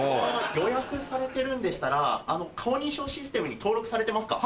予約されてるんでしたら顔認証システムに登録されてますか？